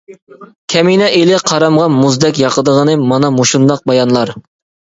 كەمىنە ئېلى قارامغا مۇزدەك ياقىدىغىنى مانا مۇشۇنداق بايانلار!